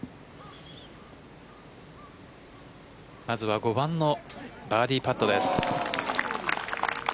まずは５番のバーディーパットです。